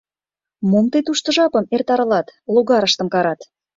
— Мом тый тушто жапым эртарылат? — логарыштым карат.